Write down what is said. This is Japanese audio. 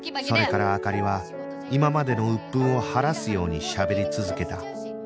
それから灯は今までの鬱憤を晴らすようにしゃべり続けた